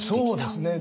そうですね。